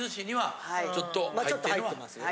ちょっと入ってますよね。